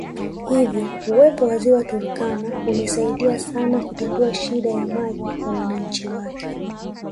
Hivyo uwepo wa Ziwa Turkana imesaidia sana kutatua shida ya maji kwa wananchi wake